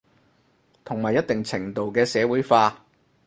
同埋一定程度嘅社會化